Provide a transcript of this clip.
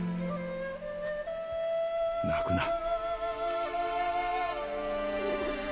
泣くな。